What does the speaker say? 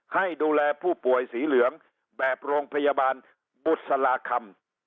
ให้ดูแลผู้ป่วยสีเหลืองแบบโรงพยาบาลบุษลาคำ